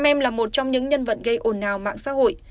em là một trong những nhân vật gây ồn ào mạng xã hội